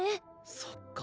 そっか。